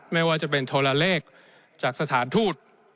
ไม่ว่าจะเป็นโทรเลขจากสถานทูต